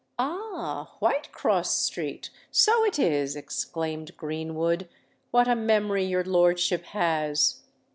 "Ah! Whitecross Street—so it is!" exclaimed Greenwood. "What a memory your lordship has!"